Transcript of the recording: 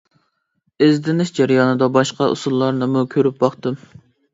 ئىزدىنىش جەريانىدا باشقا ئۇسۇللارنىمۇ كۆرۈپ باقتىم.